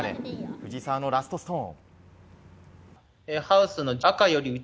藤澤のラストストーン。